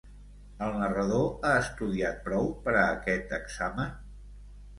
El narrador ha estudiat prou per a aquest examen?